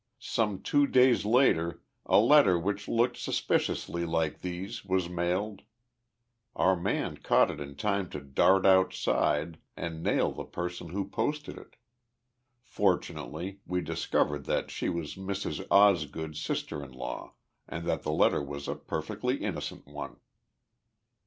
Some two days later a letter which looked suspiciously like these was mailed. Our man caught it in time to dart outside and nail the person who posted it. Fortunately we discovered that she was Mrs. Osgood's sister in law and that the letter was a perfectly innocent one."